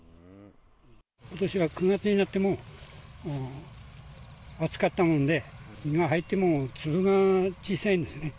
ことしは９月になっても、暑かったもんで、実が入っても粒が小さいんですね。